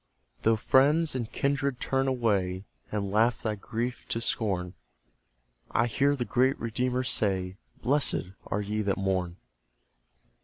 Though friends and kindred turn away, And laugh thy grief to scorn; I hear the great Redeemer say, "Blessed are ye that mourn."